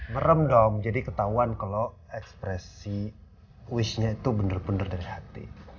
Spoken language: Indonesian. merem dong jadi ketahuan kalo ekspresi wishnya itu bener bener dari hati